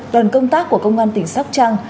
đoàn công tác của công an tỉnh sóc trăng